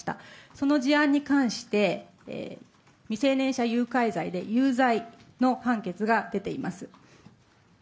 その事案に関して、未成年者誘拐罪で有罪の判決が出ています。